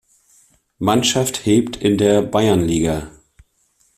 Mannschaft hebt in der Bayernliga.